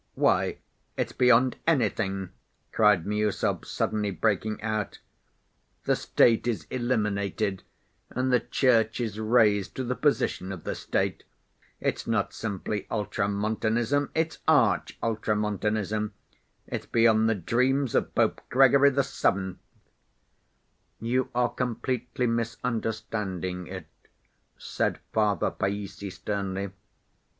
"Why, it's beyond anything!" cried Miüsov, suddenly breaking out; "the State is eliminated and the Church is raised to the position of the State. It's not simply Ultramontanism, it's arch‐Ultramontanism! It's beyond the dreams of Pope Gregory the Seventh!" "You are completely misunderstanding it," said Father Païssy sternly.